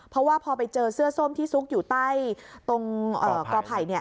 เพราะว่าพอไปเจอเสื้อส้มที่ซุกอยู่ใต้ตรงกอไผ่